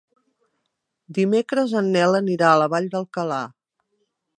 Dimecres en Nel anirà a la Vall d'Alcalà.